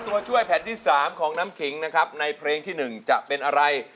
ตัวช่วยแผ่นที่๓ของน้ำขิงนะครับในเพลงที่๑จะเป็นอะไร